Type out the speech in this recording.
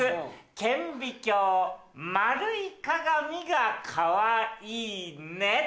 「顕微鏡丸い鏡がかわいいね」。